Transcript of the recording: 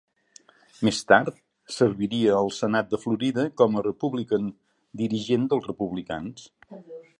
Més tard, serviria al senat de Florida com a Republican dirigent dels republicans.